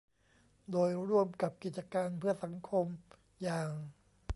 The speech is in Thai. โดยร่วมกับกิจการเพื่อสังคมอย่าง